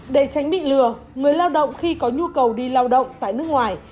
để tránh bị lừa người lao động khi có nhu cầu đi lao động tại nước ngoài